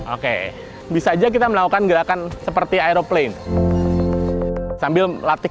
oke bisa aja kita melakukan gerakan seperti aeroplane sambil melatih